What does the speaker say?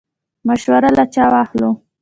مشوره له چا واخلو؟